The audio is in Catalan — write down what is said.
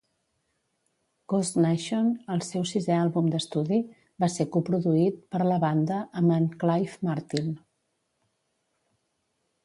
"Ghost Nation", el seu sisè àlbum d'estudi, va ser co-produït per la banda amb en Clive Martin.